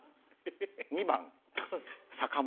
２番坂本。